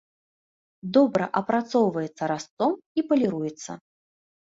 Добра апрацоўваецца разцом і паліруецца.